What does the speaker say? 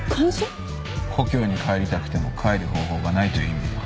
故郷に帰りたくても帰る方法がないという意味だ。